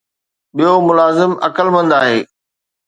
ٻيو ملازم عقلمند آهي